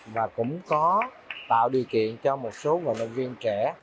và cũng có tạo điều kiện cho một số vận động viên trẻ